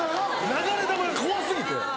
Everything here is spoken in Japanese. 流れ弾が怖過ぎて。